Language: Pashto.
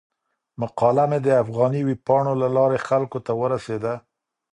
مقاله مې د افغاني ویبپاڼو له لارې خلکو ته ورسیده.